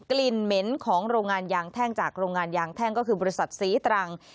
กลิ่นเหม็นของโรงงานยางแท่งจากโรงงานยางแท่งก็คือบริษัทศรีตรัง